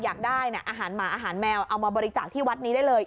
อยากได้อาหารหมาอาหารแมวเอามาบริจาคที่วัดนี้ได้เลย